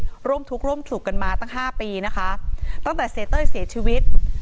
พรุมทุกข์และร่งมาตั้ง๕ปี